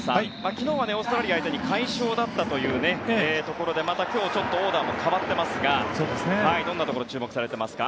昨日はオーストラリア相手に快勝だったというところでまた今日、オーダーも変わっていますがどんなところに注目されていますか？